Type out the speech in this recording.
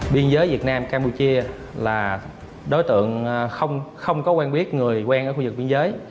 biên giới việt nam campuchia là đối tượng không có quen biết người quen ở khu vực biên giới